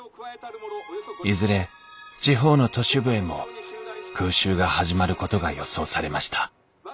いずれ地方の都市部へも空襲が始まることが予想されました